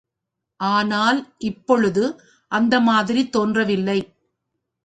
ஆனால் இப்பொழுது அந்த மாதிரி தோன்றவில்லை.